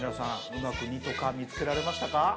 うまく「２」と「か」見つけられましたか？